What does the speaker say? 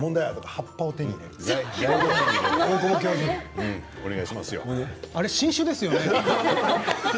葉っぱを手に入れるということですよね。